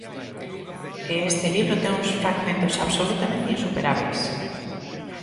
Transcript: E este libro ten uns fragmentos absolutamente insuperábeis.